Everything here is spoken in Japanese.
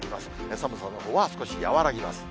寒さのほうは少し和らぎます。